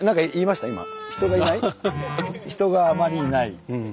「人があまりいない」？